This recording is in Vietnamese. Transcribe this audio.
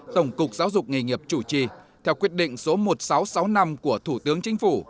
tổng cục giáo dục nghề nghiệp chủ trì theo quyết định số một nghìn sáu trăm sáu mươi năm của thủ tướng chính phủ